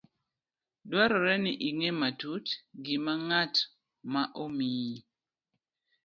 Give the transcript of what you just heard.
Dwarore ni ing'e matut gima ng'at ma omiyi